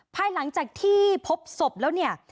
ภายหลังจากที่พบศพแล้วเนี่ย